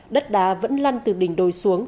đất đá vẫn lăn từ đỉnh đồi xuống